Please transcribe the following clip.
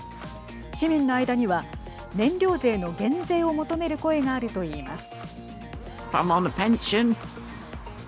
市民の間には燃料税の減税を求める声があるといいます。